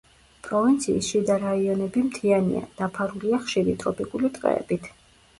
პროვინციის შიდა რაიონები მთიანია, დაფარულია ხშირი ტროპიკული ტყეებით.